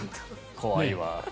怖いわ。